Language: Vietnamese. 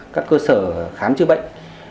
các cơ sở khám chữa bệnh